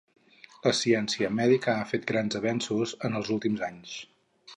La Ciència Mèdica ha fet grans avenços en els últims anys.